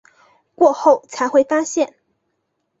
过后才会发现